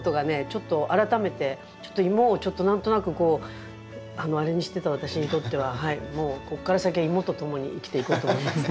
ちょっと改めてちょっとイモをちょっと何となくこうあれにしてた私にとってははいもうこっから先はイモとともに生きていこうと思います。